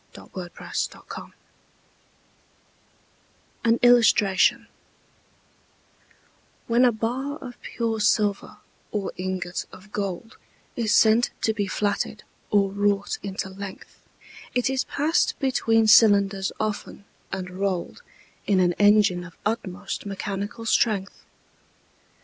William Cowper The Flatting Mill An Illustration WHEN a bar of pure silver or ingot of gold Is sent to be flatted or wrought into length, It is pass'd between cylinders often, and roll'd In an engine of utmost mechanical strength.